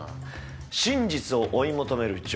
真実を追い求める情熱。